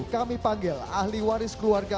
kami panggil ahli waris keluarga